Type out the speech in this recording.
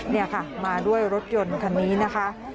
นี่ค่ะมาด้วยรถยนต์คันนี้นะคะ